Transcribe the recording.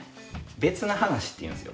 「別な話」って言うんですよ。